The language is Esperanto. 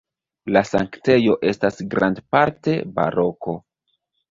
La sanktejo estas grandparte baroko.